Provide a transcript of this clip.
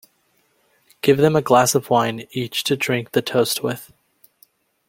Give them a glass of wine each to drink the toast with.